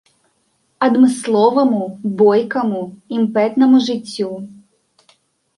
Адмысловаму, бойкаму, імпэтнаму жыццю.